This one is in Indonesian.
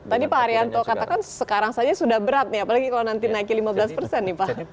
tadi pak arianto katakan sekarang saja sudah berat nih apalagi kalau nanti naikin lima belas persen nih pak